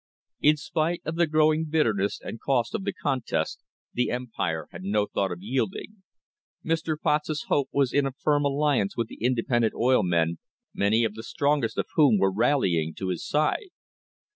In spite of the growing bitterness and cost of the contest, the Empire had no thought of yielding. Mr. Potts's hope was in a firm alliance with the independent oil men, many of the strongest of whom were rallying to his side.